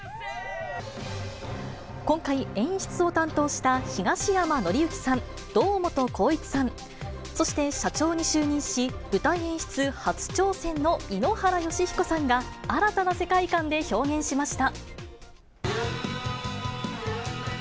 今回、演出を担当した東山紀之さん、堂本光一さん、そして社長に就任し、舞台演出初挑戦の井ノ原快彦さんが、新たな世界観で表現しました。